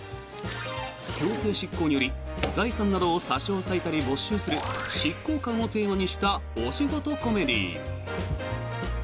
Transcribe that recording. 強制執行により財産などを差し押さえたり没収する執行官をテーマにしたお仕事コメディー。